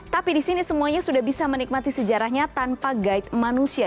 tapi di sini semuanya sudah bisa menikmati sejarahnya tanpa guide manusia